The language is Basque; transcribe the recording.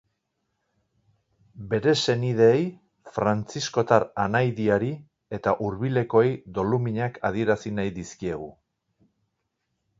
Bere senideei, frantziskotar anaidiari eta hurbilekoei doluminak adierazi nahi dizkiegu.